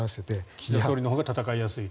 岸田総理のほうが戦いやすいと。